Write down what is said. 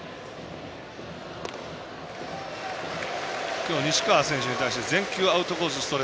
今日、西川選手に対して全球アウトコース